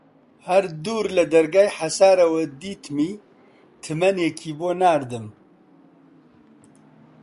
هەر دوور لە دەرگای حەسارەوە دیتمی تمەنێکی بۆ ناردم